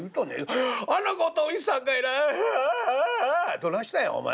「どないしたんや？お前」。